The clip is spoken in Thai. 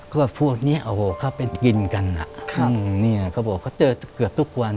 ก็พวกเนี้ยโอ้โหเข้าไปกินกันอ่ะครับเนี่ยเขาบอกเขาเจอเกือบทุกวัน